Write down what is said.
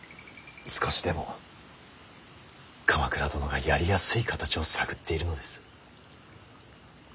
少しでも鎌倉殿がやりやすい形を探っているのです。